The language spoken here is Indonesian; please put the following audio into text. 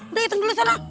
udah hitung dulu sana